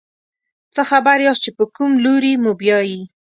څه خبر یاست چې په کوم لوري موبیايي.